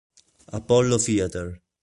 Apollo Theatre